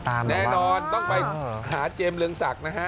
แน่นอนต้องไปหาเจมส์เรืองศักดิ์นะฮะ